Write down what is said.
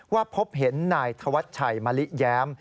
พบเห็นนายธวัชชัยมะลิแย้ม